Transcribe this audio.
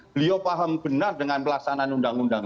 beliau paham benar dengan pelaksanaan undang undang